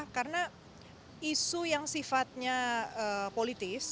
karena isu yang sifatnya politis